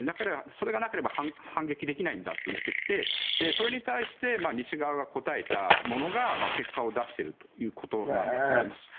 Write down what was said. それがなければ反撃できないんだといってきてそれに対して西側が応えたものが結果を出しているということなんだと思います。